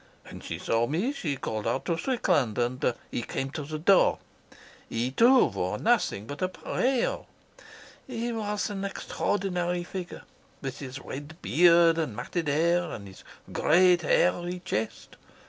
When she saw me she called out to Strickland, and he came to the door. He, too, wore nothing but a . He was an extraordinary figure, with his red beard and matted hair, and his great hairy chest.